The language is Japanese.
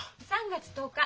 ３月１０日。